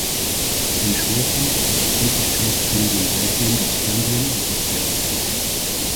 Den Schwerpunkt ihrer Tätigkeit bilden seitdem das Fernsehen und das Theater.